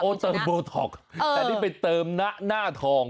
โอ้เติมโบท็อกแต่นี่ไปเติมนาธอง